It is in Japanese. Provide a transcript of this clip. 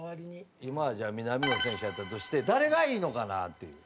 今はじゃあ南野選手やったとして誰がいいのかなっていう。